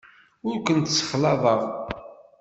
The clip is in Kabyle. Ur kent-ssexlaḍeɣ.